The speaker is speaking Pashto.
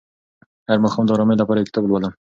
هر ماښام د ارامۍ لپاره یو کتاب لولم.